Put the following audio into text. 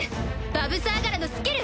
バヴサーガラのスキル！